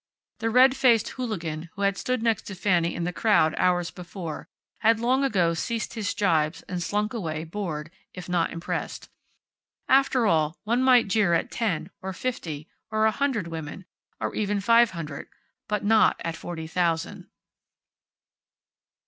The red faced hooligan, who had stood next to Fanny in the crowd hours before, had long ago ceased his jibes and slunk away, bored, if not impressed. After all, one might jeer at ten, or fifty, or a hundred women, or even five hundred. But not at forty thousand.